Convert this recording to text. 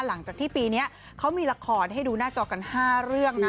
หลังจากที่ปีนี้เขามีละครให้ดูหน้าจอกัน๕เรื่องนะ